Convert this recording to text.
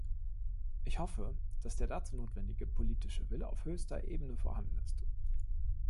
Ich hoffe, dass der dazu notwendige politische Wille auf höchster Ebene vorhanden ist.